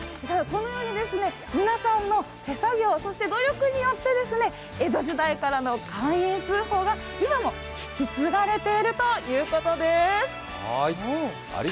このように皆さんの手作業、そして努力によって江戸時代からの寛永通宝が今も引き継がれているということです。